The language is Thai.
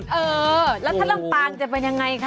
เออแล้วถ้าลำปางจะเป็นยังไงคะ